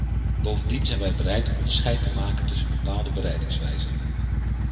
Bovendien zijn wij bereid onderscheid te maken tussen bepaalde bereidingswijzen.